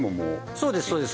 そうですそうです。